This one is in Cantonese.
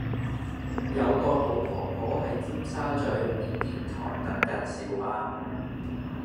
有個老婆婆喺尖沙咀緬甸台等緊小巴